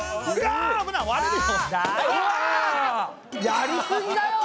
やりすぎだよ！